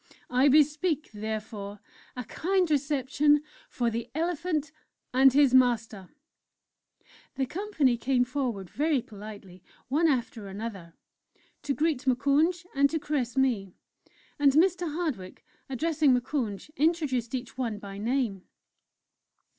I bespeak, therefore, a kind reception for the Elephant and his Master." The Company came forward very politely, one after another, to greet Moukounj, and to caress me; and Mr. Hardwick, addressing Moukounj, introduced each one by name.